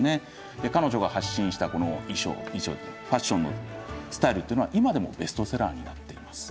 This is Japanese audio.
彼女が発信したスタイルというのは今でもベストセラーになっています。